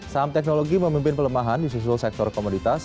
saham teknologi memimpin pelemahan di susul sektor komoditas